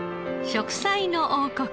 『食彩の王国』